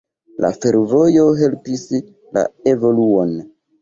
La fervojo helpis la evoluon.